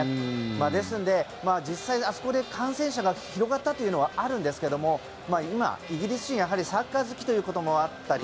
ですので、実際あそこで感染者が広がったというのはあるんですが今、イギリス人はサッカー好きということもあったり